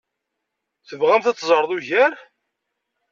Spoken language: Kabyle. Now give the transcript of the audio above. Tebɣamt ad teẓreḍ ugar?